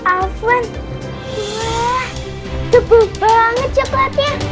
alvan wah tebal banget coklatnya